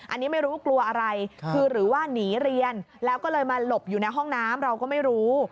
อันนี้ไม่รู้กลัวอะไรคือหรือว่าหนีเรียนแล้วก็เลยมาหลบอยู่ในห้องน้ำเราก็ไม่รู้